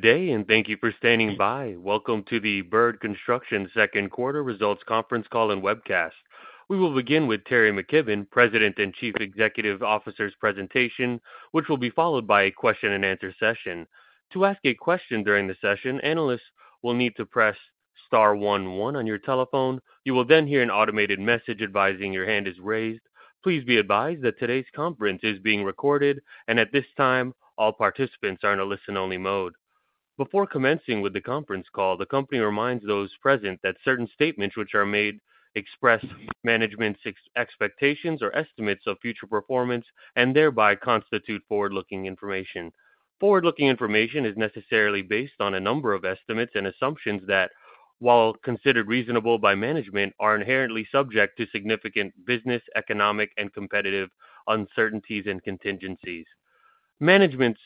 Today, and thank you for standing by, welcome to the Bird Construction Second Quarter Results Conference Call and Webcast. We will begin with Teri McKibbon, President and Chief Executive Officer's presentation, which will be followed by a question-and-answer session. To ask a question during the session, analysts will need to press *11 on your telephone. You will then hear an automated message advising your hand is raised. Please be advised that today's conference is being recorded, and at this time, all participants are in a listen-only mode. Before commencing with the conference call, the company reminds those present that certain statements which are made express management's expectations or estimates of future performance and thereby constitute forward-looking information. Forward-looking information is necessarily based on a number of estimates and assumptions that, while considered reasonable by management, are inherently subject to significant business, economic, and competitive uncertainties and contingencies. Management's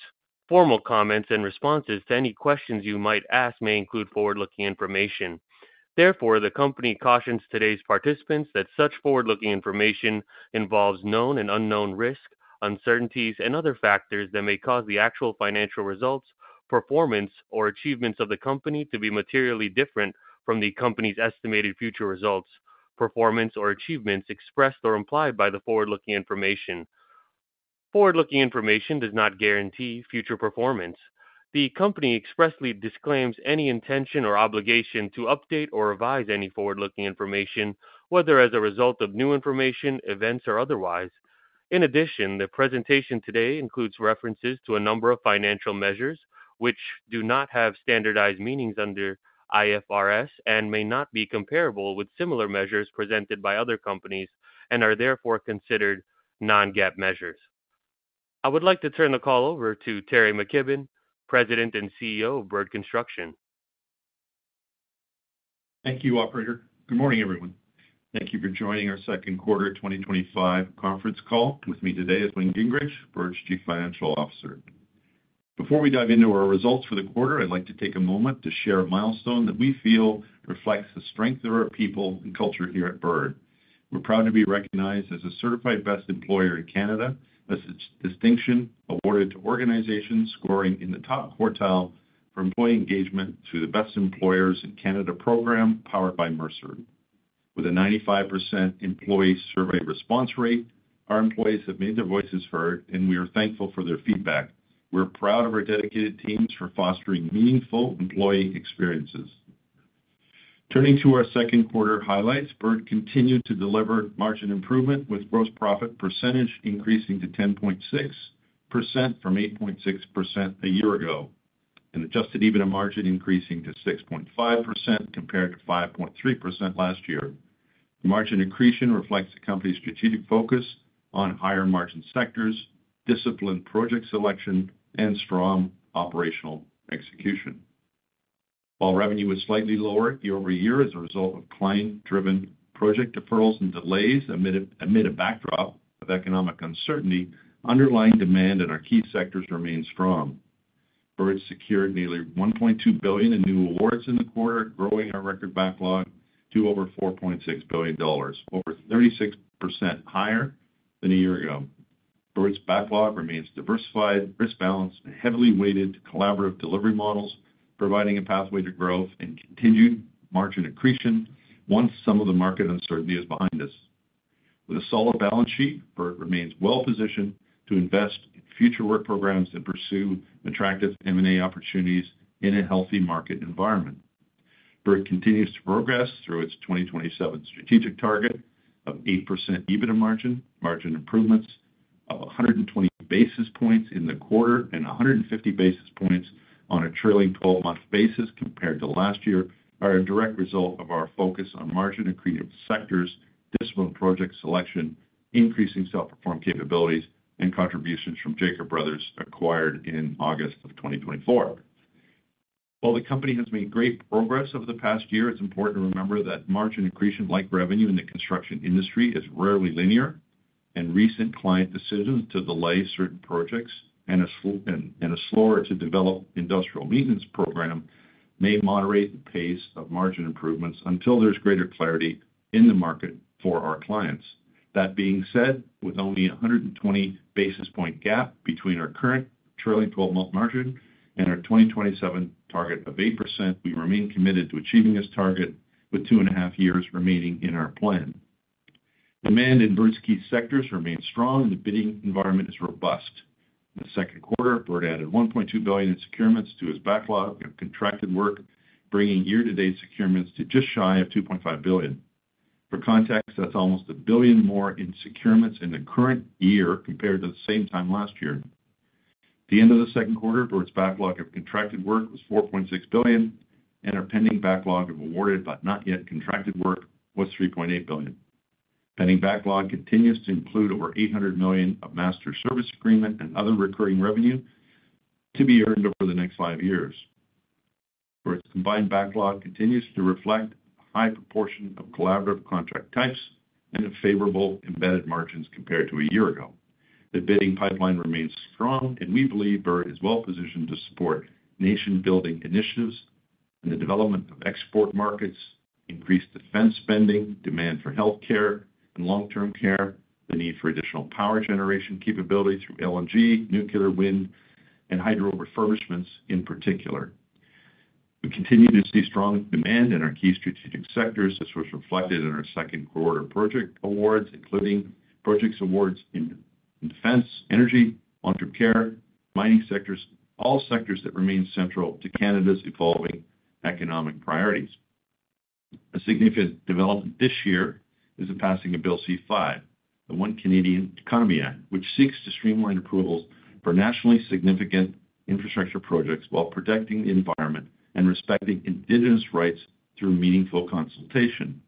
formal comments and responses to any questions you might ask may include forward-looking information. Therefore, the company cautions today's participants that such forward-looking information involves known and unknown risks, uncertainties, and other factors that may cause the actual financial results, performance, or achievements of the company to be materially different from the company's estimated future results, performance, or achievements expressed or implied by the forward-looking information. Forward-looking information does not guarantee future performance. The company expressly disclaims any intention or obligation to update or revise any forward-looking information, whether as a result of new information, events, or otherwise. In addition, the presentation today includes references to a number of financial measures which do not have standardized meanings under IFRS and may not be comparable with similar measures presented by other companies and are therefore considered non-GAAP measures. I would like to turn the call over to Teri McKibbon, President and CEO of Bird Construction. Thank you, Operator. Good morning, everyone. Thank you for joining our Second Quarter 2025 Conference Call. With me today is Wayne R. Gingrich, Bird's Chief Financial Officer. Before we dive into our results for the quarter, I'd like to take a moment to share a milestone that we feel reflects the strength of our people and culture here at Bird. We're proud to be recognized as a certified Best Employer in Canada, a distinction awarded to organizations scoring in the top quartile for employee engagement through the Best Employer in Canada program powered by Mercer. With a 95% employee survey response rate, our employees have made their voices heard, and we are thankful for their feedback. We're proud of our dedicated teams for fostering meaningful employee experiences. Turning to our second quarter highlights, Bird continued to deliver margin improvement with gross profit margin increasing to 10.6% from 8.6% a year ago, and adjusted EBITDA margin increasing to 6.5% compared to 5.3% last year. The margin accretion reflects the company's strategic focus on higher margin sectors, disciplined project selection, and strong operational execution. While revenue was slightly lower year-over-year as a result of client-driven project deferrals and delays amid a backdrop of economic uncertainty, underlying demand in our key sectors remains strong. Bird secured nearly $1.2 billion in new awards in the quarter, growing our record backlog to over $4.6 billion, over 36% higher than a year ago. Bird's backlog remains diversified, risk-balanced, and heavily weighted to collaborative delivery models, providing a pathway to growth and continued margin accretion once some of the market uncertainty is behind us. With a solid balance sheet, Bird remains well positioned to invest in future work programs to pursue attractive M&A opportunities in a healthy market environment. Bird continues to progress through its 2027 strategic target of 8% EBITDA margin. Margin improvements of 120 basis points in the quarter, and 150 basis points on a trailing 12-month basis compared to last year, are a direct result of our focus on margin accretive sectors, disciplined project selection, increasing self-performed capabilities, and contributions from Jacob Bros acquired in August of 2024. While the company has made great progress over the past year, it's important to remember that margin accretion, like revenue in the construction industry, is rarely linear, and recent client decisions to delay certain projects and a slower to develop industrial maintenance program may moderate the pace of margin improvements until there's greater clarity in the market for our clients. That being said, with only a 120 basis point gap between our current trailing 12-month margin and our 2027 target of 8%, we remain committed to achieving this target with two and a half years remaining in our plan. Demand in Bird's key sectors remains strong, and the bidding environment is robust. In the second quarter, Bird added $1.2 billion in securements to its backlog of contracted work, bringing year-to-date securements to just shy of $2.5 billion. For context, that's almost a billion more in securements in the current year compared to the same time last year. At the end of the second quarter, Bird's backlog of contracted work was $4.6 billion, and our pending backlog of awarded but not yet contracted work was $3.8 billion. The pending backlog continues to include over $800 million of master service agreement and other recurring revenue to be earned over the next five years. Bird's combined backlog continues to reflect a high proportion of collaborative contract types and favorable embedded margins compared to a year ago. The bidding pipeline remains strong, and we believe Bird is well positioned to support nation-building initiatives and the development of export markets, increased defense spending, demand for healthcare and long-term care, the need for additional power generation capability through LNG, nuclear, wind, and hydro refurbishments in particular. We continue to see strong demand in our key strategic sectors, as was reflected in our second quarter project awards, including project awards in defense, energy, long-term care, and mining sectors, all sectors that remain central to Canada's evolving economic priorities. A significant development this year is the passing of Bill C-5, the One Canadian Economy Act, which seeks to streamline approvals for nationally significant infrastructure projects while protecting the environment and respecting Indigenous rights through meaningful consultation.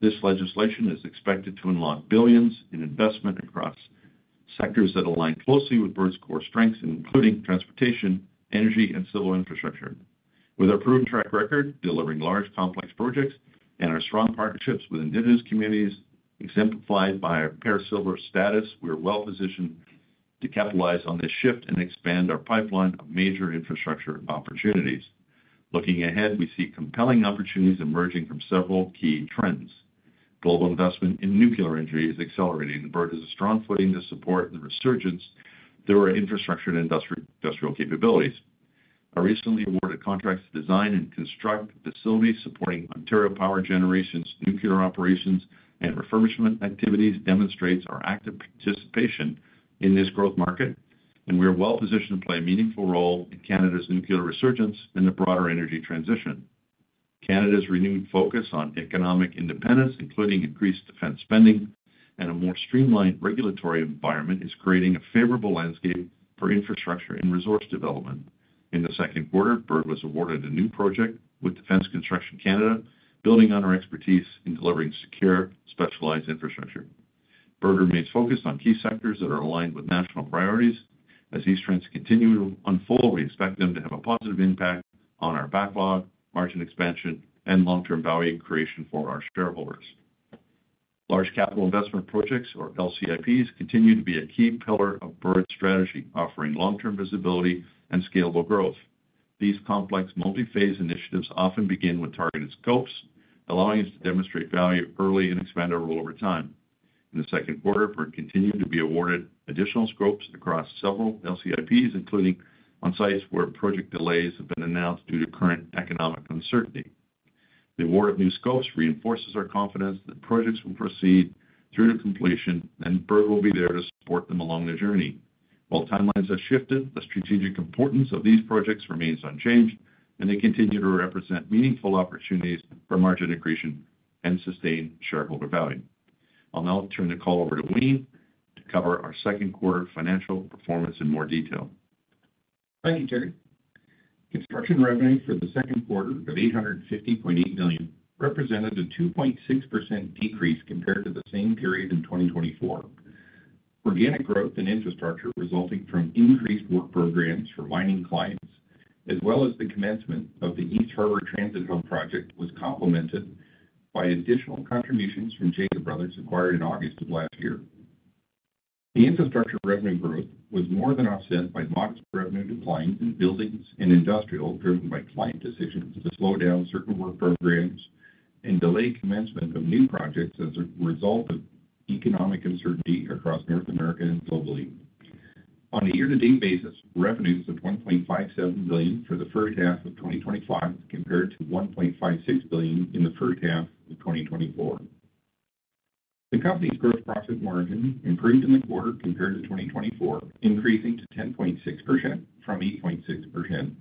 This legislation is expected to unlock billions in investment across sectors that align closely with Bird's core strengths, including transportation, energy, and civil infrastructure. With our proven track record delivering large complex projects and our strong partnerships with Indigenous communities, exemplified by our Pear Silver status, we are well positioned to capitalize on this shift and expand our pipeline of major infrastructure opportunities. Looking ahead, we see compelling opportunities emerging from several key trends. Global investment in nuclear energy is accelerating, and Bird has a strong footing to support the resurgence through our infrastructure and industrial capabilities. Our recently awarded contract to design and construct facilities supporting Ontario Power Generation's nuclear operations and refurbishment activities demonstrates our active participation in this growth market, and we are well positioned to play a meaningful role in Canada's nuclear resurgence and the broader energy transition. Canada's renewed focus on economic independence, including increased defense spending and a more streamlined regulatory environment, is creating a favorable landscape for infrastructure and resource development. In the second quarter, Bird was awarded a new project with Defense Construction Canada, building on our expertise in delivering secure, specialized infrastructure. Bird remains focused on key sectors that are aligned with national priorities. As these strengths continue to unfold, we expect them to have a positive impact on our backlog, margin expansion, and long-term value creation for our shareholders. Large capital investment projects, or LCIPs, continue to be a key pillar of Bird's strategy, offering long-term visibility and scalable growth. These complex multi-phase initiatives often begin with targeted scopes, allowing us to demonstrate value early and expand our role over time. In the second quarter, Bird continued to be awarded additional scopes across several LCIPs, including on sites where project delays have been announced due to current economic uncertainty. The award of new scopes reinforces our confidence that projects will proceed through to completion, and Bird will be there to support them along the journey. While timelines have shifted, the strategic importance of these projects remains unchanged, and they continue to represent meaningful opportunities for margin accretion and sustained shareholder value. I'll now turn the call over to Wayne to cover our second quarter financial performance in more detail. Thank you, Teri. Construction revenue for the second quarter was $850.8 million, representing a 2.6% decrease compared to the same period in 2024. Organic growth in infrastructure, resulting from increased work programs for mining clients, as well as the commencement of the East Harbor Transit Hub project, was complemented by additional contributions from Jacob Bros, acquired in August of last year. The infrastructure revenue growth was more than offset by modest revenue declines in buildings and industrial, driven by client decisions to slow down certain work programs and delay commencement of new projects as a result of economic uncertainty across North America and globally. On a year-to-date basis, revenues of $1.57 billion for the first half of 2025 compared to $1.56 billion in the first half of 2024. The company's gross profit margin improved in the quarter compared to 2024, increasing to 10.6% from 8.6%.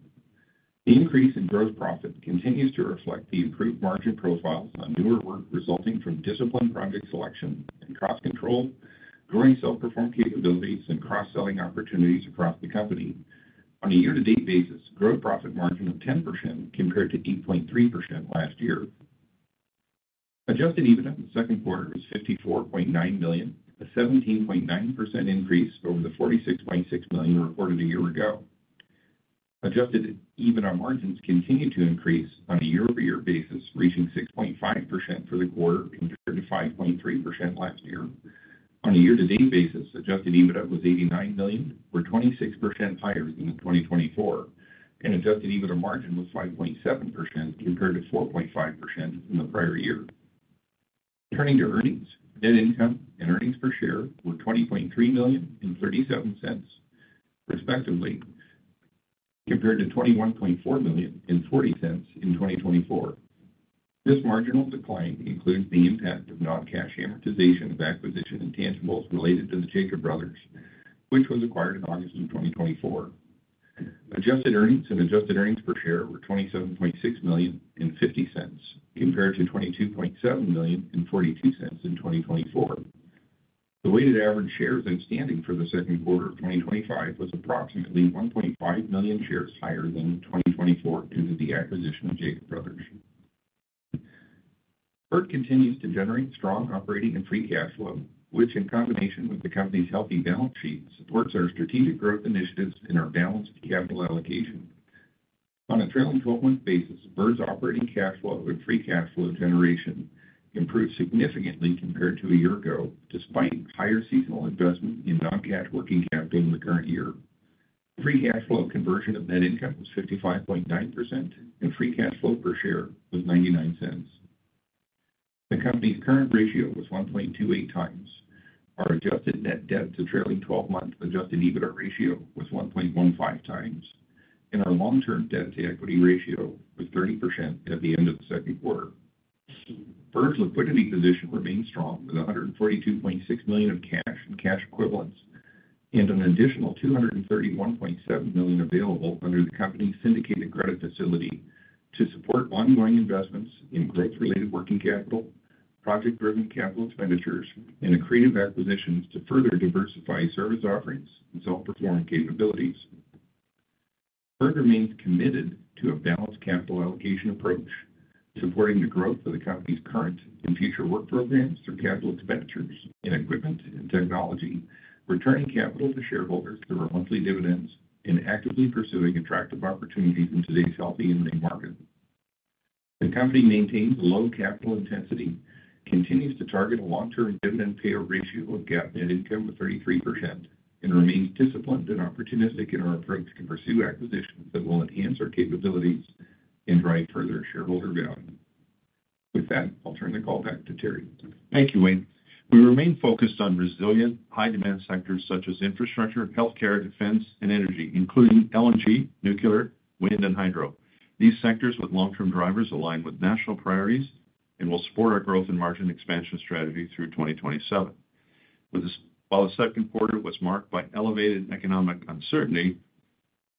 The increase in gross profit continues to reflect the improved margin profile on newer work, resulting from disciplined project selection and cost control, growing self-performed capabilities, and cross-selling opportunities across the company. On a year-to-date basis, gross profit margin of 10% compared to 8.3% last year. Adjusted EBITDA in the second quarter is $54.9 million, a 17.9% increase over the $46.6 million reported a year ago. Adjusted EBITDA margins continue to increase on a year-over-year basis, reaching 6.5% for the quarter compared to 5.3% last year. On a year-to-date basis, adjusted EBITDA was $89 million, or 26% higher than in 2024, and adjusted EBITDA margin was 5.7% compared to 4.5% in the prior year. Turning to earnings, net income and earnings per share were $20.3 million and $0.37 respectively, compared to $21.4 million and $0.40 in 2024. This marginal decline includes the impact of non-cash amortization of acquisition intangibles related to Jacob Bros, which was acquired in August of 2024. Adjusted earnings and adjusted earnings per share were $27.6 million and $0.50, compared to $22.7 million and $0.42 in 2024. The weighted average shares outstanding for the second quarter of 2025 was approximately 1.5 million shares higher than in 2024 due to the acquisition of Jacob Bros. Bird continues to generate strong operating and free cash flow, which, in combination with the company's healthy balance sheet, supports our strategic growth initiatives and our balanced capital allocation. On a trailing 12-month basis, Bird's operating cash flow and free cash flow generation improved significantly compared to a year ago, despite higher seasonal investment in non-cash working capital in the current year. Free cash flow conversion of net income was 55.9%, and free cash flow per share was $0.99. The company's current ratio was 1.28 times. Our adjusted net debt to trailing 12 months adjusted EBITDA ratio was 1.15 times, and our long-term debt to equity ratio was 30% at the end of the second quarter. Bird's liquidity position remains strong with $142.6 million of cash and cash equivalents and an additional $231.7 million available under the company's syndicated credit facility to support ongoing investments in growth-related working capital, project-driven capital expenditures, and accretive acquisitions to further diversify service offerings and self-procurement capabilities. Bird remains committed to a balanced capital allocation approach, supporting the growth of the company's current and future work programs through capital expenditures and equipment and technology, returning capital to shareholders through our monthly dividends and actively pursuing attractive opportunities in today's healthy earning market. The company maintains a low capital intensity, continues to target a long-term dividend payout ratio of net income of 33%, and remains disciplined and opportunistic in our approach to pursue acquisitions that will enhance our capabilities and drive further shareholder value. With that, I'll turn the call back to Teri. Thank you, Wayne. We remain focused on resilient, high-demand sectors such as infrastructure, healthcare, defense, and energy, including LNG, nuclear, wind, and hydro. These sectors with long-term drivers align with national priorities and will support our growth and margin expansion strategy through 2027. While the second quarter was marked by elevated economic uncertainty,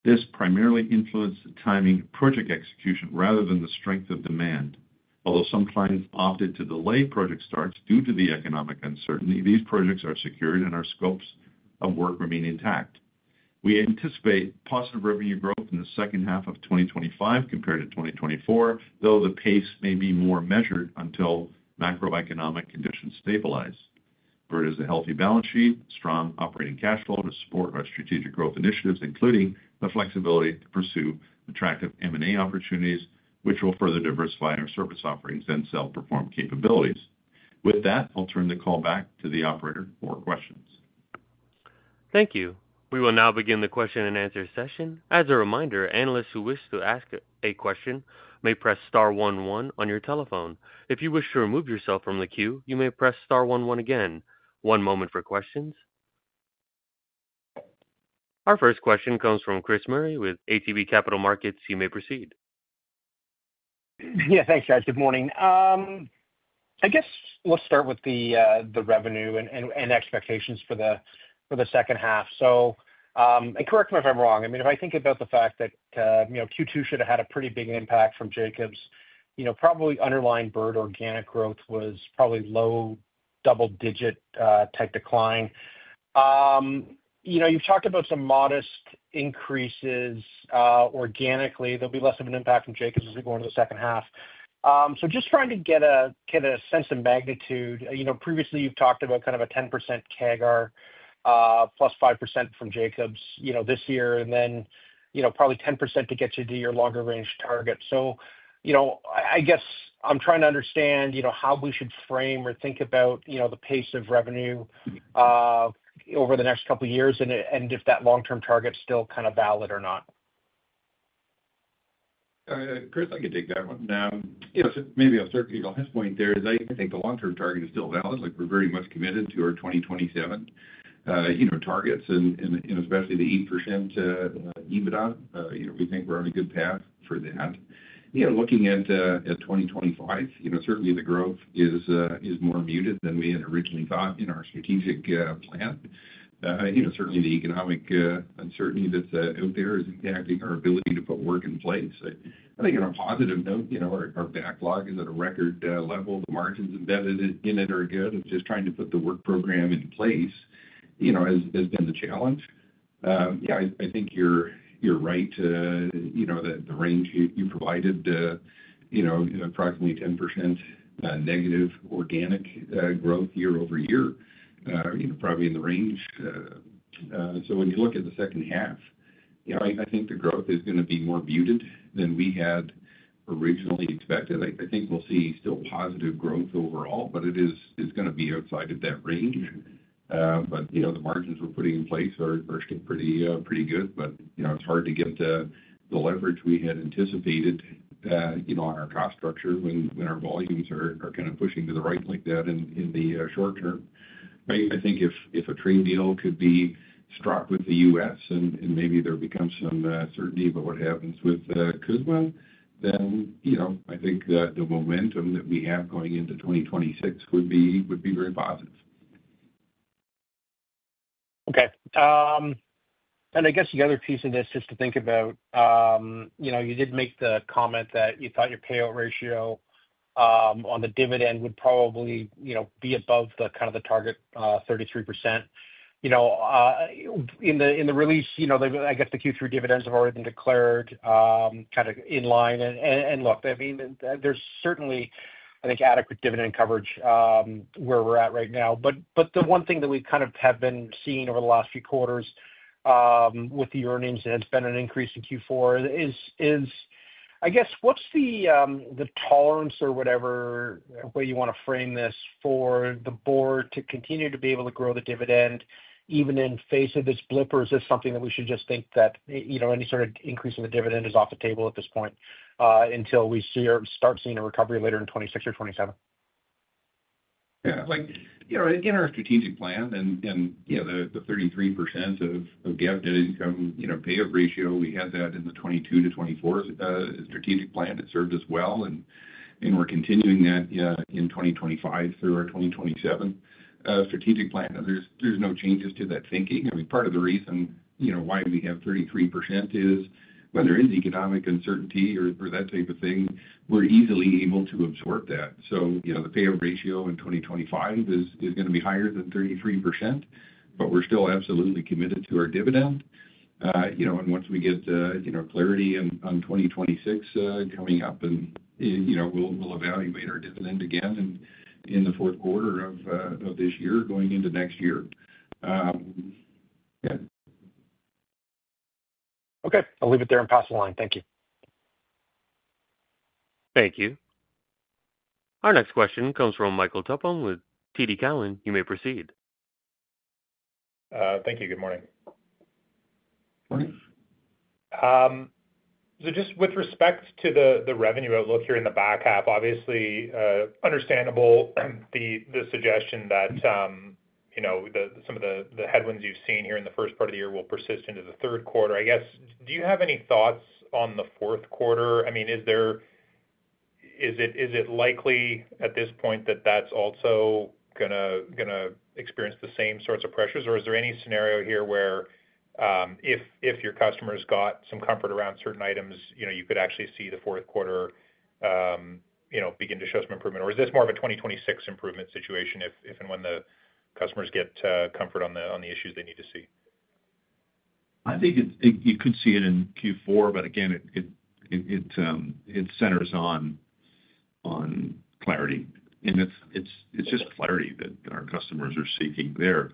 this primarily influenced the timing of project execution rather than the strength of demand. Although some clients opted to delay project starts due to the economic uncertainty, these projects are secured and our scopes of work remain intact. We anticipate positive revenue growth in the second half of 2025 compared to 2024, though the pace may be more measured until macroeconomic conditions stabilize. Bird has a healthy balance sheet, strong operating cash flow to support our strategic growth initiatives, including the flexibility to pursue attractive M&A opportunities, which will further diversify our service offerings and self-performed capabilities. With that, I'll turn the call back to the Operator for questions. Thank you. We will now begin the question and answer session. As a reminder, analysts who wish to ask a question may press *11 on your telephone. If you wish to remove yourself from the queue, you may press *11 again. One moment for questions. Our first question comes from Chris Murray with ATB Capital Markets. You may proceed. Yeah, thanks, guys. Good morning. I guess let's start with the revenue and expectations for the second half. Correct me if I'm wrong. If I think about the fact that Q2 should have had a pretty big impact from Jacob's, probably underlying Bird organic growth was probably low double-digit type decline. You've talked about some modest increases organically. There'll be less of an impact from Jacob's as we go into the second half. Just trying to get a sense of magnitude. Previously you've talked about kind of a 10% CAGR plus 5% from Jacob's this year, and then probably 10% to get you to your longer-range target. I guess I'm trying to understand how we should frame or think about the pace of revenue over the next couple of years and if that long-term target is still kind of valid or not. Chris, I can take that one. Maybe I'll start with your last point there. I think the long-term target is still valid. We're very much committed to our 2027 targets and especially the 8% EBITDA. We think we're on a good path for that. Looking at 2025, certainly the growth is more muted than we had originally thought in our strategic plan. Certainly the economic uncertainty that's out there is impacting our ability to put work in place. I think on a positive note, our backlog is at a record level. The margins embedded in it are good. It's just trying to put the work program into place has been the challenge. I think you're right that the range you provided, in approximately 10% negative organic growth year-over-year, is probably in the range. When you look at the second half, I think the growth is going to be more muted than we had originally expected. I think we'll see still positive growth overall, but it is going to be outside of that range. The margins we're putting in place are pretty good, but it's hard to get the leverage we had anticipated on our cost structure when our volumes are kind of pushing to the right like that in the short term. I think if a trade deal could be struck with the U.S., and maybe there becomes some certainty about what happens with the CUSMA, then I think that the momentum that we have going into 2026 would be very positive. Okay. I guess the other piece of this is to think about, you did make the comment that you thought your payout ratio on the dividend would probably be above the kind of the target 33%. In the release, I guess the Q3 dividends have already been declared, kind of in line. I mean, there's certainly, I think, adequate dividend coverage where we're at right now. The one thing that we kind of have been seeing over the last few quarters with the earnings, and it's been an increase in Q4, is, I guess, what's the tolerance or whatever way you want to frame this for the board to continue to be able to grow the dividend even in face of this blip? Is this something that we should just think that any sort of increase in the dividend is off the table at this point until we see or start seeing a recovery later in 2026 or 2027? Yeah, our strategic plan and the 33% of GAAP net income payout ratio, we had that in the 2022 to 2024 strategic plan. It served us well, and we're continuing that in 2025 through our 2027 strategic plan. There's no changes to that thinking. Part of the reason why we have 33% is when there is economic uncertainty or that type of thing, we're easily able to absorb that. The payout ratio in 2025 is going to be higher than 33%, but we're still absolutely committed to our dividend. Once we get clarity on 2026 coming up, we'll evaluate our dividend again in the fourth quarter of this year, going into next year. Okay, I'll leave it there and pass the line. Thank you. Thank you. Our next question comes from Michael Tupholme with TD Cowen. You may proceed. Thank you. Good morning. With respect to the revenue outlook here in the back half, it's understandable the suggestion that some of the headwinds you've seen here in the first part of the year will persist into the third quarter. Do you have any thoughts on the fourth quarter? Is it likely at this point that that's also going to experience the same sorts of pressures, or is there any scenario here where, if your customers got some comfort around certain items, you could actually see the fourth quarter begin to show some improvement? Is this more of a 2026 improvement situation if and when the customers get comfort on the issues they need to see? I think you could see it in Q4, but again, it centers on clarity. It's just clarity that our customers are seeking. They're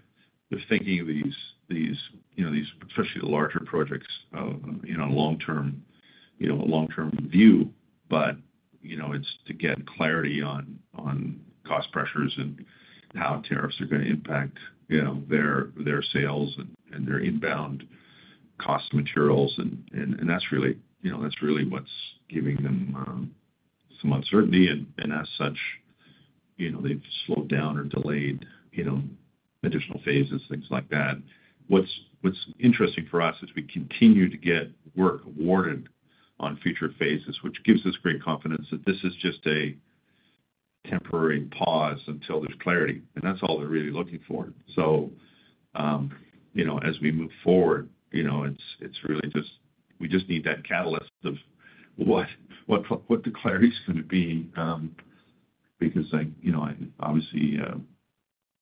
thinking of these, you know, especially the larger projects in a long-term, you know, a long-term view. It's to get clarity on cost pressures and how tariffs are going to impact, you know, their sales and their inbound cost of materials. That's really, you know, that's really what's giving them some uncertainty. As such, they've slowed down or delayed, you know, additional phases, things like that. What's interesting for us is we continue to get word warning on future phases, which gives us great confidence that this is just a temporary pause until there's clarity. That's all they're really looking for. As we move forward, you know, it's really just, we just need that catalyst of what the clarity is going to be. I obviously,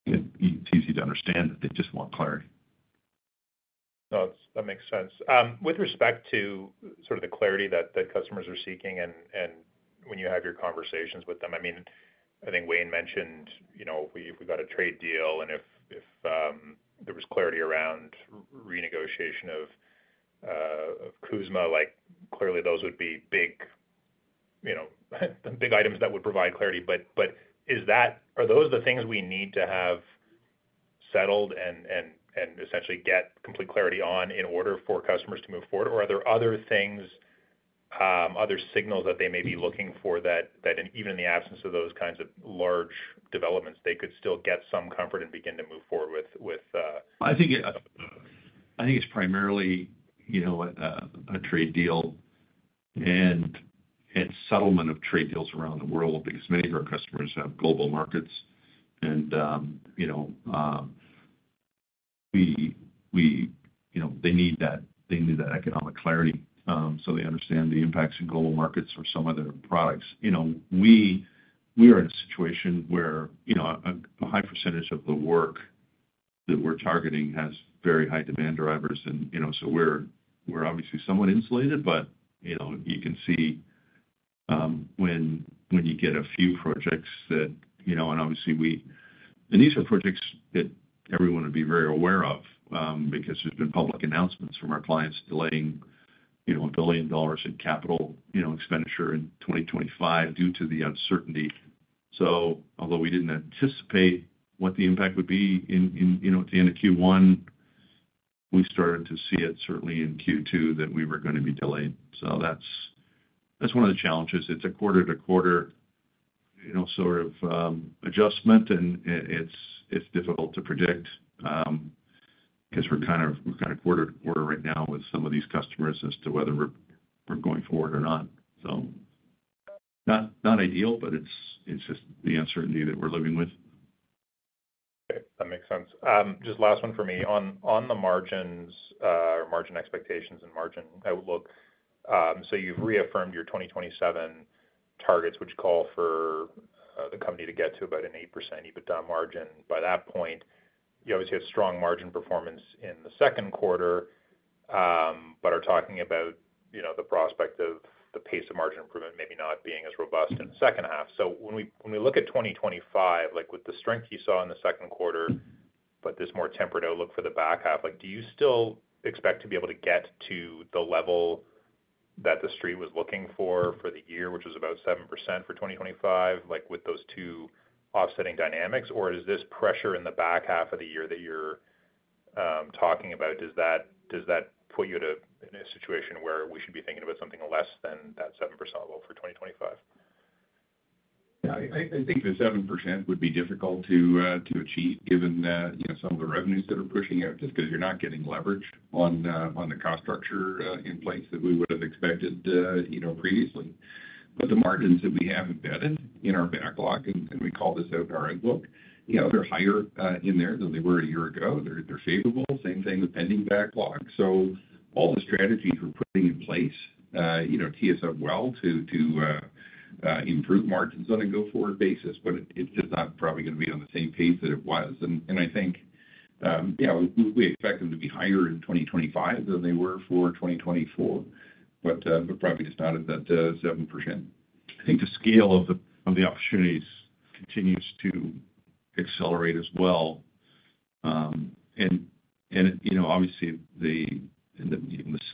it's easy to understand that they just want clarity. That makes sense. With respect to the clarity that customers are seeking and when you have your conversations with them, I think Wayne mentioned, you know, if we got a trade deal and if there was clarity around renegotiation of the CUSMA, clearly those would be big items that would provide clarity. Are those the things we need to have settled and essentially get complete clarity on in order for customers to move forward? Are there other things, other signals that they may be looking for that, even in the absence of those kinds of large developments, they could still get some comfort and begin to move forward with? I think it's primarily a trade deal and settlement of trade deals around the world because many of our customers have global markets. They need that economic clarity so they understand the impacts in global markets or some other products. We are in a situation where a high percentage of the work that we're targeting has very high demand drivers. We're obviously somewhat insulated, but you can see when you get a few projects that, and these are projects that everyone would be very aware of because there's been public announcements from our clients delaying $1 billion in capital expenditure in 2025 due to the uncertainty. Although we didn't anticipate what the impact would be in Q1, we started to see it certainly in Q2 that we were going to be delayed. That's one of the challenges. It's a quarter-to-quarter sort of adjustment, and it's difficult to predict because we're kind of quarter to quarter right now with some of these customers as to whether we're going forward or not. Not ideal, but it's just the uncertainty that we're living with. Okay, that makes sense. Just last one for me. On the margins or margin expectations and margin outlook, you've reaffirmed your 2027 targets, which call for the company to get to about an 8% EBITDA margin. By that point, you obviously have strong margin performance in the second quarter, but are talking about the prospect of the pace of margin improvement maybe not being as robust in the second half. When we look at 2025, with the strength you saw in the second quarter, but this more tempered outlook for the back half, do you still expect to be able to get to the level that the Street was looking for for the year, which was about 7% for 2025, with those two offsetting dynamics, or is this pressure in the back half of the year that you're talking about, does that put you in a situation where we should be thinking about something less than that 7% level for 2025? I think the 7% would be difficult to achieve, given that some of the revenues that are pushing out, just because you're not getting leveraged on the cost structure in place that we would have expected previously. The margins that we have embedded in our backlog, and we call this out in our outlook, they're higher in there than they were a year ago, and they're shavable. Same thing with the pending backlog. All the strategies we're putting in place, you know, TSM well to improve margins on a go-forward basis, but it's just not probably going to be on the same pace that it was. I think, yeah, we expect them to be higher in 2025 than they were for 2024, but probably just not at that 7%. I think the scale of the opportunities continues to accelerate as well. Obviously, the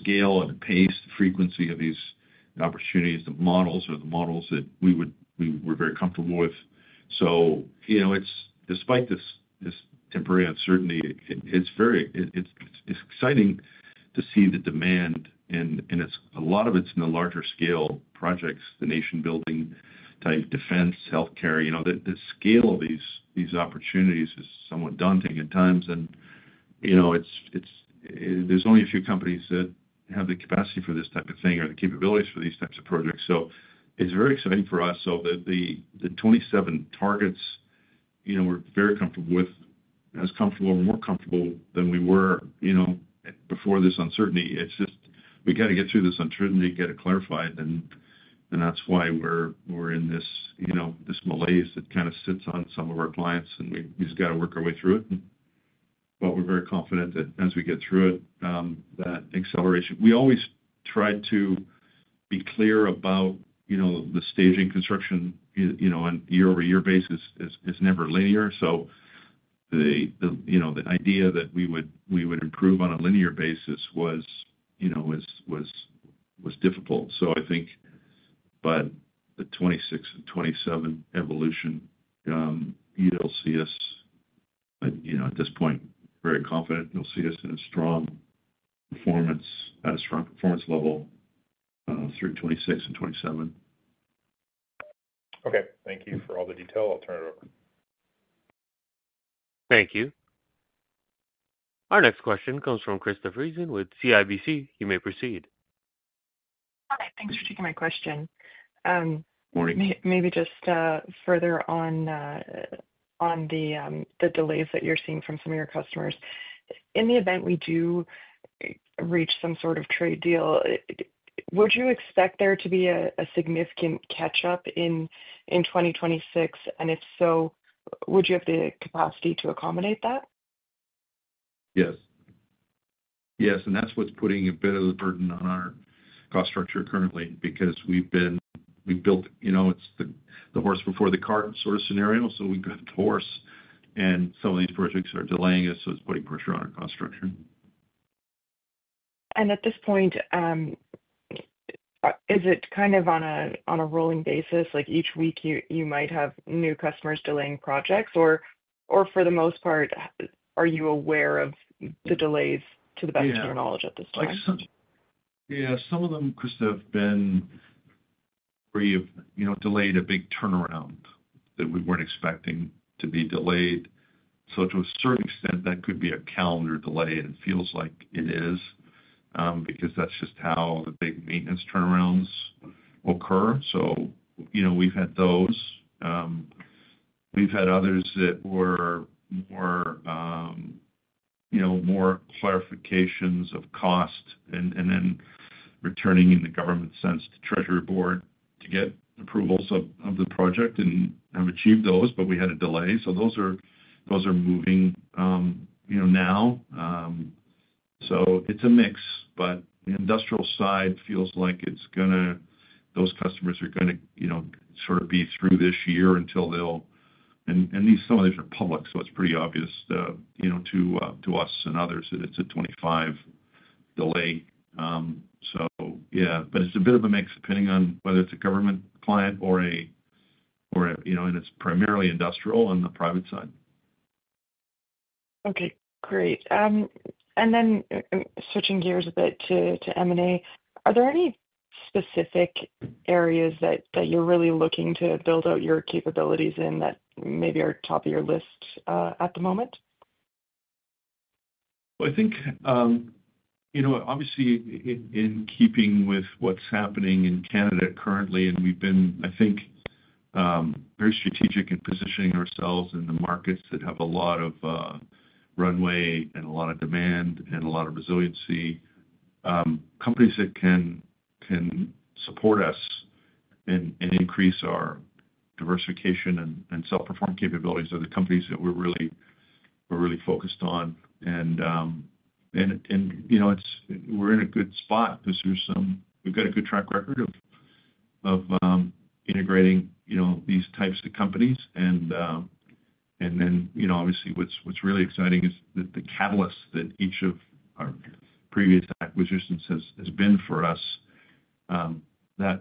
scale and the pace, the frequency of these opportunities, the models are the models that we were very comfortable with. Despite this temporary uncertainty, it's very, it's exciting to see the demand, and a lot of it's in the larger scale projects, the nation-building type defense, healthcare. The scale of these opportunities is somewhat daunting at times, and there's only a few companies that have the capacity for this type of thing or the capabilities for these types of projects. It's very exciting for us. The 2027 targets, we're very comfortable with, as comfortable or more comfortable than we were before this uncertainty. We just got to get through this uncertainty, get it clarified, and that's why we're in this malaise that kind of sits on some of our clients, and we just got to work our way through it. We're very confident that as we get through it, that acceleration, we always tried to be clear about, the staging construction on a year-over-year basis is never linear. The idea that we would improve on a linear basis was difficult. I think the 2026 and 2027 evolution, you'll see us, at this point, very confident you'll see us in a strong performance, at a strong performance level through 2026 and 2027. Okay, thank you for all the detail. I'll turn it over. Thank you. Our next question comes from Krista Friesen with CIBC. You may proceed. Thanks for taking my question. Maybe just further on the delays that you're seeing from some of your customers. In the event we do reach some sort of trade deal, would you expect there to be a significant catch-up in 2026? If so, would you have the capacity to accommodate that? Yes. Yes. That is what's putting a bit of the burden on our cost structure currently because we've been, we built, you know, it's the horse before the cart sort of scenario. We've got the horse, and some of these projects are delaying us. It is putting pressure on our construction. At this point, is it kind of on a rolling basis? Like each week you might have new customers delaying projects, or for the most part, are you aware of the delays to the best of your knowledge at this time? Yeah, some of them, Krista, have been where you've delayed a big turnaround that we weren't expecting to be delayed. To a certain extent, that could be a calendar delay, and it feels like it is because that's just how the big maintenance turnarounds occur. We've had those. We've had others that were more clarifications of cost and then returning in the government sense to Treasury Board to get approvals of the project and have achieved those, but we had a delay. Those are moving now. It's a mix, but the industrial side feels like it's going to, those customers are going to sort of be through this year until they'll, and at least some of these are public, so it's pretty obvious to us and others that it's a 2025 delay. It's a bit of a mix depending on whether it's a government client or a, and it's primarily industrial and the private side. Okay, great. Switching gears a bit to M&A, are there any specific areas that you're really looking to build out your capabilities in that maybe are top of your list at the moment? I think, you know, obviously in keeping with what's happening in Canada currently, we've been, I think, very strategic in positioning ourselves in the markets that have a lot of runway and a lot of demand and a lot of resiliency. Companies that can support us and increase our diversification and self-performed capabilities are the companies that we're really focused on. You know, we're in a good spot because we've got a good track record of integrating, you know, these types of companies. What's really exciting is that the catalyst that each of our previous acquisitions has been for us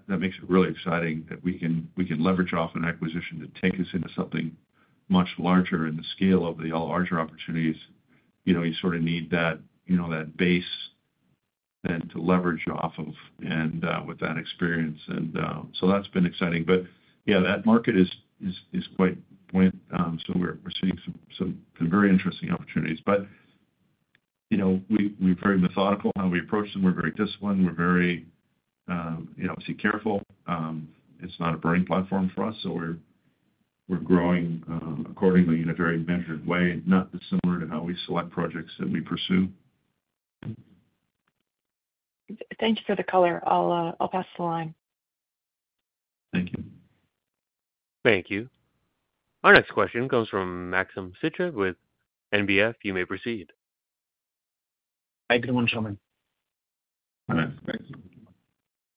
makes it really exciting that we can leverage off an acquisition to take us into something much larger in the scale of the larger opportunities. You sort of need that base to leverage off of and with that experience, and that's been exciting. That market is quite buoyant. We're seeing some very interesting opportunities. We're very methodical in how we approach them. We're very disciplined. We're very, you know, obviously careful. It's not a burning platform for us. We're growing accordingly in a very measured way, not dissimilar to how we select projects that we pursue. Thank you for the color. I'll pass the line. Thank you. Thank you. Our next question comes from Maxim Sytchev with NBF. You may proceed. Hi, good morning, Chairman.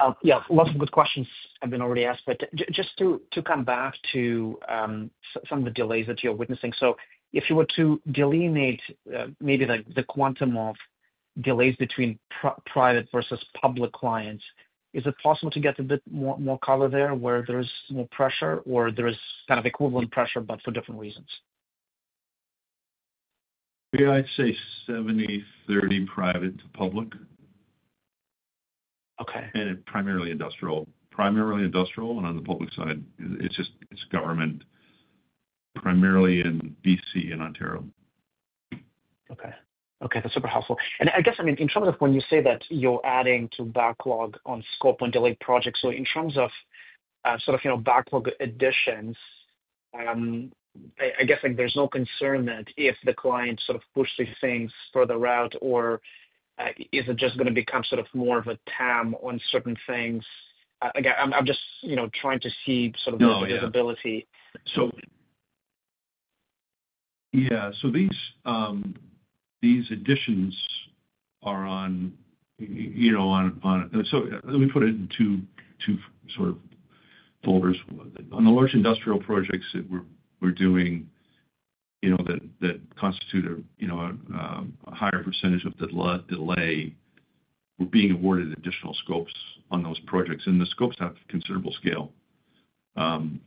Hi, Maxim. Lots of good questions have been already asked, but just to come back to some of the delays that you're witnessing. If you were to delineate maybe the quantum of delays between private versus public clients, is it possible to get a bit more color there where there is more pressure or there is kind of equivalent pressure but for different reasons? Yeah, I'd say 70/30 private to public. Okay. It's primarily industrial, and on the public side, it's government, primarily in BC and Ontario. Okay, that's super helpful. I guess, in terms of when you say that you're adding to backlog on scope on delayed projects, in terms of backlog additions, there's no concern that if the client pushes things further out or is it just going to become more of a TAM on certain things? Again, I'm just trying to see the visibility. These additions are on, you know, on, let me put it in two sort of folders. On the large industrial projects that we're doing that constitute a higher percentage of the delay, we're being awarded additional scopes on those projects, and the scopes have considerable scale. On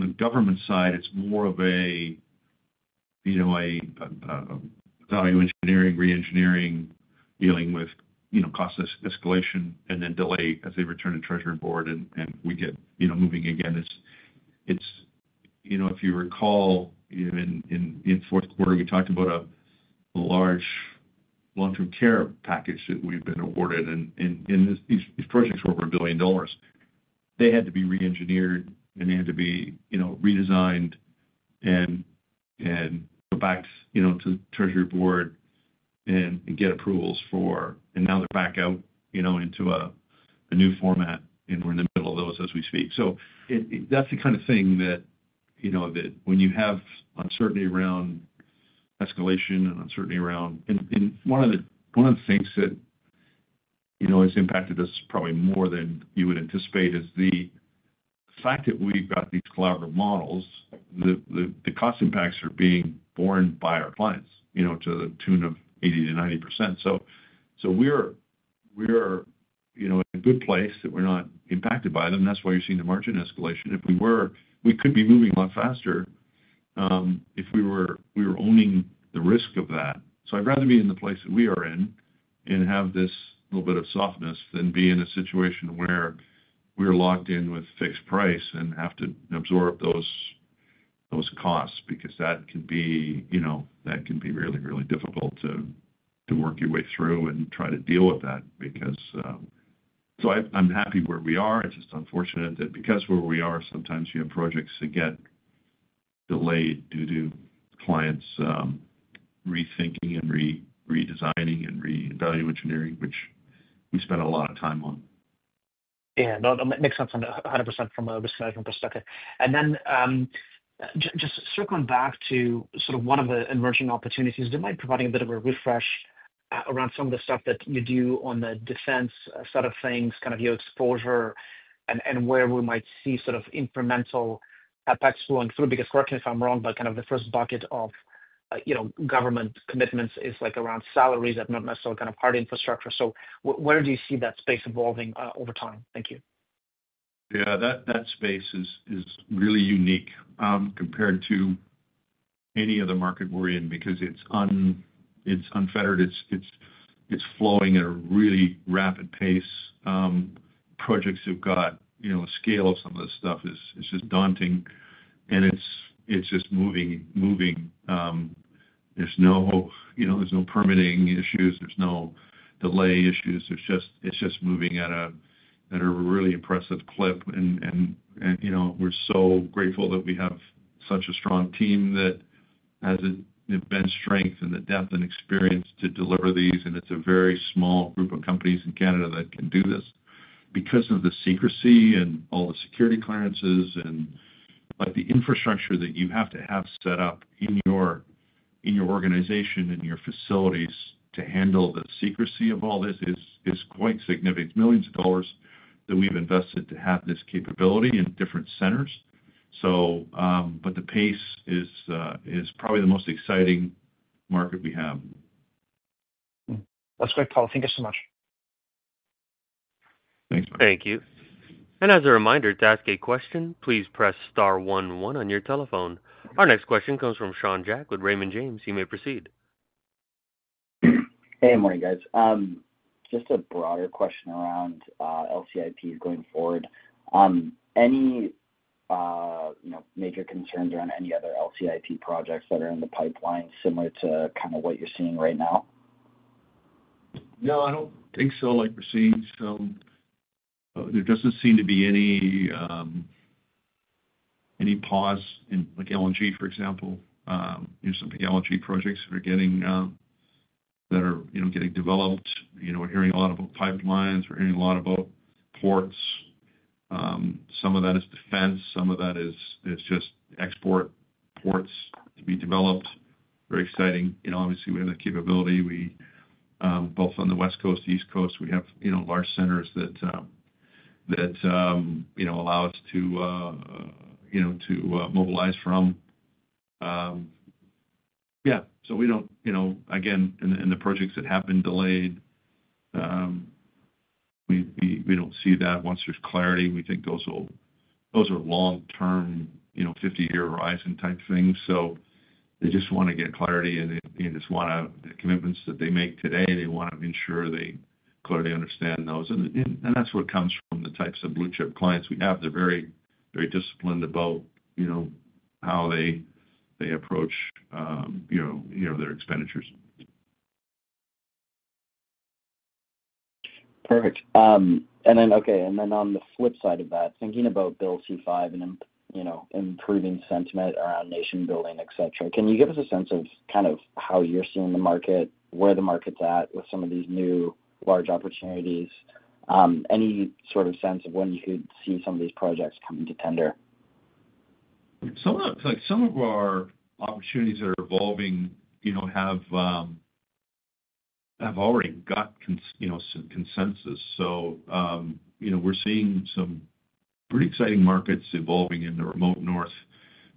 the government side, it's more of a value engineering, re-engineering, dealing with cost escalation and then delay as they return to Treasury Board and we get moving again. If you recall, in the fourth quarter, you talked about a large long-term care package that we've been awarded, and these projects were over $1 billion. They had to be re-engineered and they had to be redesigned and go back to Treasury Board and get approvals for, and now they're back out into a new format, and we're in the middle of those as we speak. That's the kind of thing that, when you have uncertainty around escalation and uncertainty around, and one of the things that has impacted us probably more than you would anticipate is the fact that we've got these collaborative delivery models, the cost impacts are being borne by our clients to the tune of 80%-90%. We're in a good place that we're not impacted by them. That's why you're seeing the margin escalation. If we were, we could be moving a lot faster if we were owning the risk of that. I'd rather be in the place that we are in and have this little bit of softness than be in a situation where we're locked in with fixed price and have to absorb those costs because that can be really, really difficult to work your way through and try to deal with that. I'm happy where we are. It's just unfortunate that because where we are, sometimes you have projects that get delayed due to clients rethinking and redesigning and re-value engineering, which we spent a lot of time on. Yeah, no, that makes sense 100% from a risk management perspective. Just circling back to sort of one of the emerging opportunities, do you mind providing a bit of a refresh around some of the stuff that you do on the defense side of things, kind of your exposure and where we might see sort of incremental impacts flowing through? Because correct me if I'm wrong, but kind of the first bucket of, you know, government commitments is like around salaries and not necessarily kind of hard infrastructure. Where do you see that space evolving over time? Thank you. Yeah, that space is really unique compared to any other market we're in because it's unfettered. It's flowing at a really rapid pace. Projects have got, you know, a scale of some of this stuff. It's just daunting. It's just moving, moving. There's no permitting issues. There's no delay issues. It's just moving at a really impressive clip. We're so grateful that we have such a strong team that has the immense strength and the depth and experience to deliver these. It's a very small group of companies in Canada that can do this because of the secrecy and all the security clearances and the infrastructure that you have to have set up in your organization and your facilities to handle the secrecy of all this. It's quite significant. It's millions of dollars that we've invested to have this capability in different centers. The pace is probably the most exciting market we have. That's great color. Thank you so much. Thanks, Mike. Thank you. As a reminder, to ask a question, please press *11 on your telephone. Our next question comes from Sean Jack with Raymond James. You may proceed. Hey, morning, guys. Just a broader question around LCIP going forward. Any major concerns around any other LCIP projects that are in the pipeline similar to kind of what you're seeing right now? No, I don't think so. Like we're seeing, there doesn't seem to be any pause in LNG, for example. There are some LNG projects that are getting developed. We're hearing a lot about private lines. We're hearing a lot about ports. Some of that is defense. Some of that is just export ports to be developed. Very exciting. Obviously, we have the capability. Both on the West Coast and East Coast, we have large centers that allow us to mobilize from. We don't, in the projects that have been delayed, see that once there's clarity. We think those are long-term, 50-year horizon type things. They just want to get clarity and they just want to ensure the commitments that they make today are clearly understood. That's what comes from the types of blue-chip clients we have. They're very, very disciplined about how they approach their expenditures. Perfect. On the flip side of that, thinking about Bill C-5 and improving sentiment around nation-building, etc., can you give us a sense of kind of how you're seeing the market, where the market's at with some of these new large opportunities? Any sort of sense of when you could see some of these projects coming to tender? Some of our opportunities that are evolving have already got some consensus. We're seeing some pretty exciting markets evolving in the remote north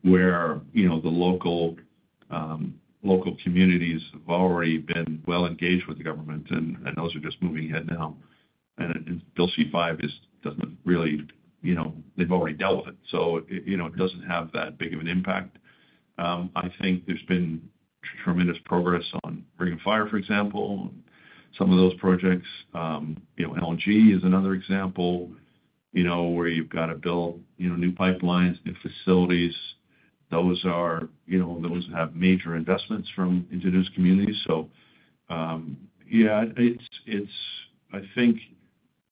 where the local communities have already been well engaged with the government, and those are just moving ahead now. Bill C-5 doesn't really—they've already dealt with it, so it doesn't have that big of an impact. I think there's been tremendous progress on Ring of Fire, for example, and some of those projects. LNG is another example where you've got to build new pipelines, new facilities. Those have major investments from Indigenous communities. I think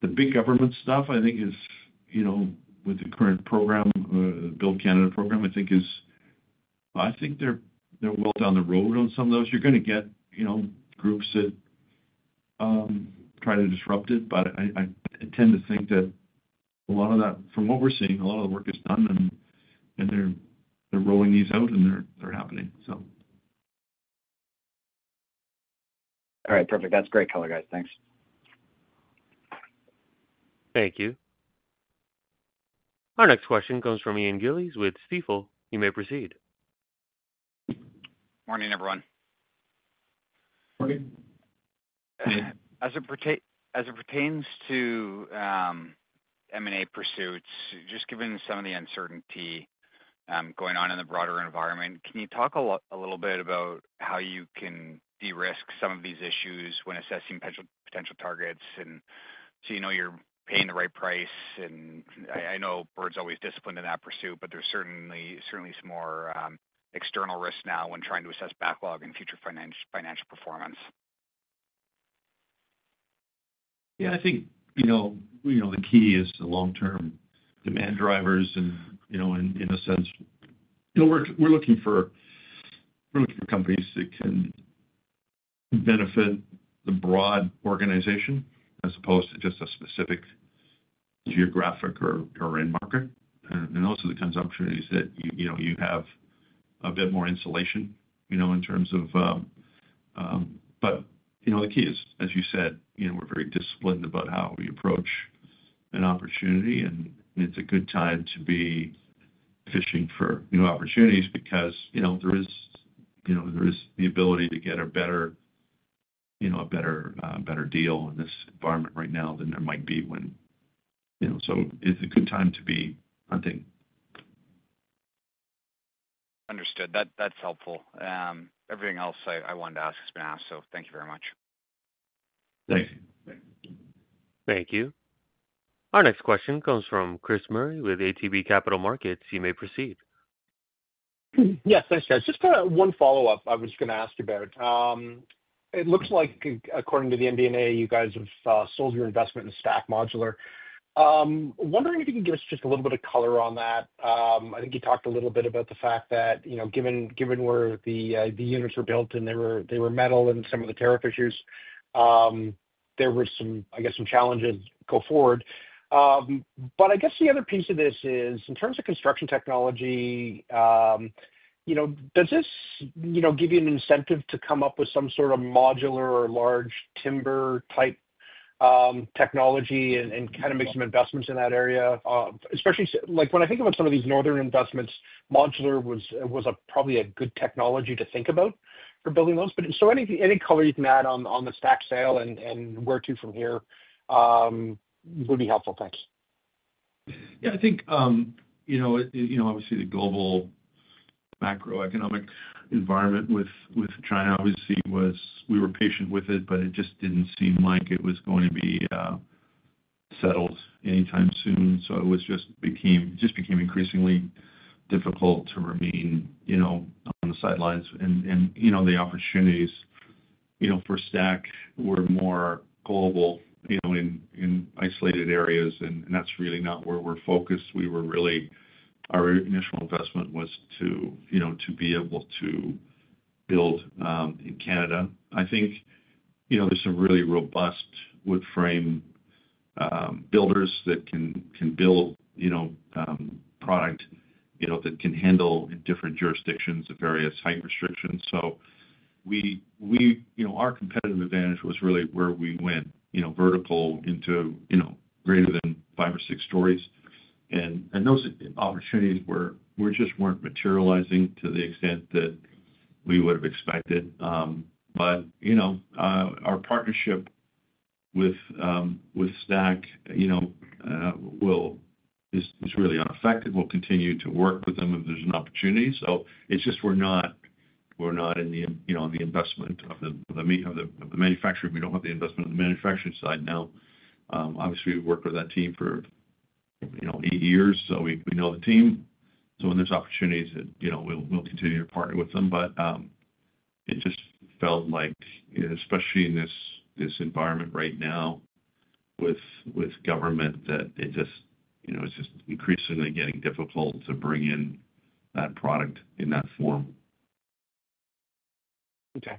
the big government stuff, with the current program, the Build Canada program, I think they're well down the road on some of those. You're going to get groups that try to disrupt it, but I tend to think that a lot of that, from what we're seeing, a lot of the work is done, and they're rolling these out, and they're happening. All right, perfect. That's great color, guys. Thanks. Thank you. Our next question comes from Ian Gillies with Stifel. You may proceed. Morning, everyone. As it pertains to M&A pursuits, just given some of the uncertainty going on in the broader environment, can you talk a little bit about how you can de-risk some of these issues when assessing potential targets? You know you're paying the right price, and I know Bird's always disciplined in that pursuit, but there's certainly some more external risks now when trying to assess backlog and future financial performance. I think the key is the long-term demand drivers, and we're looking for companies that can benefit the broad organization as opposed to just a specific geographic or market. Also, the kinds of opportunities that you have a bit more insulation in terms of, but the key is, as you said, we're very disciplined about how we approach an opportunity. It's a good time to be fishing for new opportunities because there is the ability to get a better deal in this environment right now than there might be when, so it's a good time to be hunting. Understood. That's helpful. Everything else I wanted to ask has been asked, so thank you very much. Thanks. Thank you. Our next question comes from Chris Murray with ATB Capital Markets. You may proceed. Yes, thanks, guys. Just kind of one follow-up I was going to ask about. It looks like, according to the MD&A, you guys have sold your investment in Stack Modular. I'm wondering if you can give us just a little bit of color on that. I think you talked a little bit about the fact that, you know, given where the units were built and they were metal and some of the tariff issues, there were some, I guess, some challenges going forward. I guess the other piece of this is, in terms of construction technology, you know, does this, you know, give you an incentive to come up with some sort of modular or large timber type technology and kind of make some investments in that area? Especially like when I think about some of these northern investments, modular was probably a good technology to think about for building those. Anything, any color you can add on the Stack sale and where to from here would be helpful. Thanks. Yeah, I think, you know, obviously the global macroeconomic environment with China was, we were patient with it, but it just didn't seem like it was going to be settled anytime soon. It just became increasingly difficult to remain, you know, on the sidelines. The opportunities for Stack were more global, in isolated areas, and that's really not where we're focused. Our initial investment was to be able to build in Canada. I think there's some really robust wood frame builders that can build product that can handle in different jurisdictions the various height restrictions. Our competitive advantage was really where we went vertical into greater than five or six stories, and those opportunities just weren't materializing to the extent that we would have expected. Our partnership with Stack is really unaffected. We'll continue to work with them if there's an opportunity. We're not in the investment of the manufacturing. We don't have the investment on the manufacturing side now. Obviously, we've worked with that team for eight years, so we know the team. When there's opportunities, we'll continue to partner with them. It just felt like, especially in this environment right now with government, that it is just increasingly getting difficult to bring in that product in that form. Okay.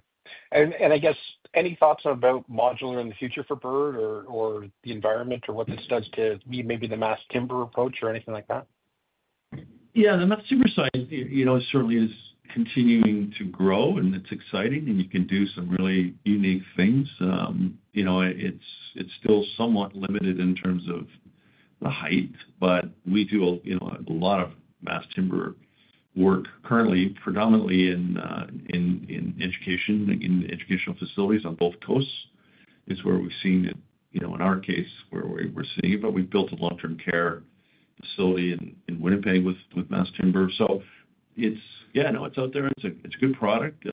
Any thoughts about modular in the future for Bird or the environment or what this does to maybe the mass timber approach or anything like that? Yeah, the mass timber side is continuing to grow, and it's exciting, and you can do some really unique things. It's still somewhat limited in terms of the height, but we do a lot of mass timber work currently, predominantly in education, in educational facilities on both coasts. It's where we've seen it, in our case, where we're seeing it, but we've built a long-term care facility in Winnipeg with mass timber. It's out there. It's a good product.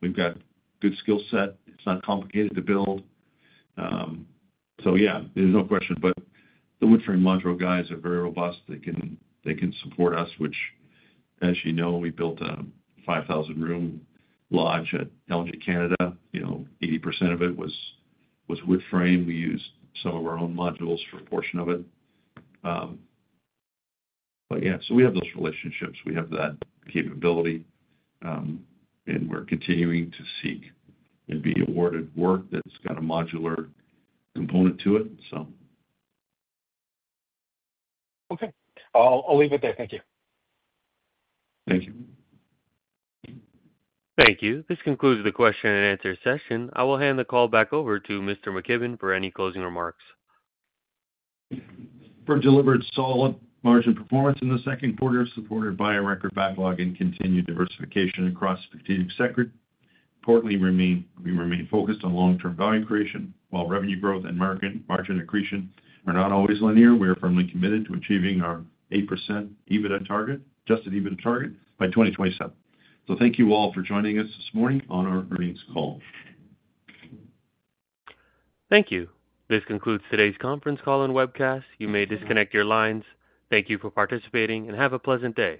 We've got a good skill set. It's not complicated to build. There's no question, but the wood frame modular guys are very robust. They can support us, which, as you know, we built a 5,000-room lodge at LJ Canada. 80% of it was wood frame. We used some of our own modules for a portion of it. We have those relationships. We have that capability. We're continuing to seek and be awarded work that's got a modular component to it. Okay, I'll leave it there. Thank you. Thank you. Thank you. This concludes the question and answer session. I will hand the call back over to Mr. McKibbon for any closing remarks. Bird delivered solid margin performance in the second quarter, supported by a record backlog and continued diversification across strategic sectors. Importantly, we remain focused on long-term value creation, while revenue growth and margin accretion are not always linear. We are firmly committed to achieving our 8% adjusted EBITDA target by 2027. Thank you all for joining us this morning on our earnings call. Thank you. This concludes today's conference call and webcast. You may disconnect your lines. Thank you for participating and have a pleasant day.